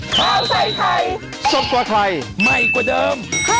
โปรดติดตามตอนต่อไป